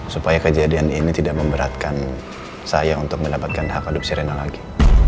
supaya kejadian ini tidak memberatkan saya untuk mendapatkan hak adopsi reno lagi